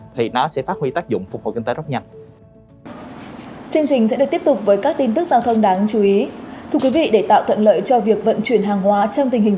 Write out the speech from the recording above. thì nó sẽ phát huy tác dụng phục vụ kinh tế rất nhanh